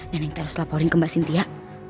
dan yang terus laporin ke mbak sintia